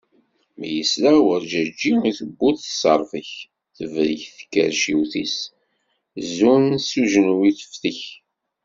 Mi yesla werǧeǧǧi i tewwurt teṣṣerbek, tebreq tkerciwt-is zun s ujenwi teftek.